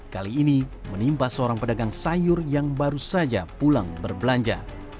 kali ini menimpa seorang pedagang sayur yang baru saja pulang berbelanja